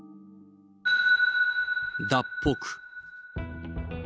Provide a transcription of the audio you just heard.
脱北。